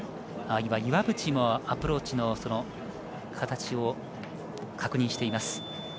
岩渕もアプローチの形を確認しています。